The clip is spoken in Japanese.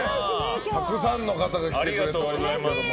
たくさんの方が来てくれておりますけども。